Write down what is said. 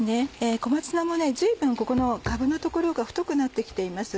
小松菜も随分ここの株の所が太くなって来ています。